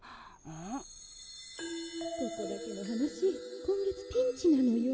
ここだけの話今月ピンチなのよ。